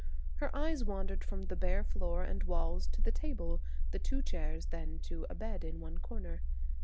Her eyes wandered from the bare floor and walls to the table, the two chairs, and then to a bed in one corner.